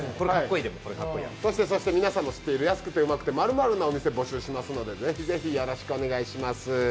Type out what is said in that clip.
そしてそして、皆さんの知っている「安くてウマくて○○な店」募集してますのでぜひぜひよろしくお願いします。